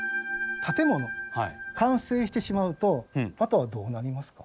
建物完成してしまうとあとはどうなりますか？